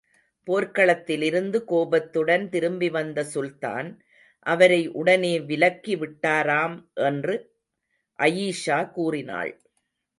போர்க்களத்திலிருந்து கோபத்துடன் திரும்பி வந்த சுல்தான், அவரை உடனே விலக்கி விட்டாராம் என்று அயீஷா கூறினாள்.